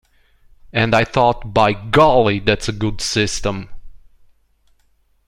And, I thought, 'by golly, that's a good system.